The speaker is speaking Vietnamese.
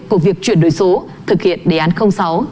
của việc chuyển đổi số thực hiện đề án sáu